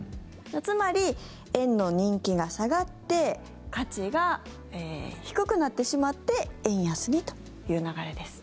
つまり、円の人気が下がって価値が低くなってしまって円安にという流れです。